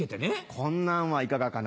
「こんなんはいかがかな」